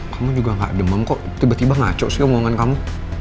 kamu juga gak demam kok tiba tiba ngaco sih omongan kamu